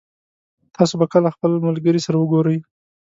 تاسو به کله خپل ملګري سره وګورئ